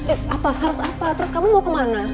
eh apa harus apa terus kamu mau ke mana